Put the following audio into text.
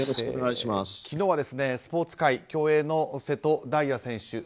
昨日はスポーツ界、競泳の瀬戸大也選手